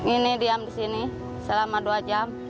ini diam di sini selama dua jam